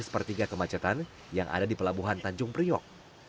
sepertiga kemacetan yang ada di pelabuhan tanjung priok